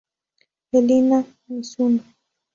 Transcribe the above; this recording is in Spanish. Elina Mizuno